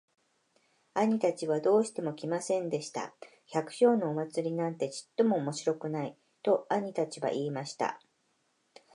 兄たちはどうしても来ませんでした。「百姓のお祭なんてちっとも面白くない。」と兄たちは言いました。